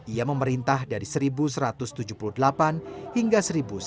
ia memerintah dari seribu satu ratus tujuh puluh delapan hingga seribu sembilan ratus sembilan puluh